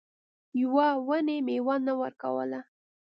یوې ونې میوه نه ورکوله.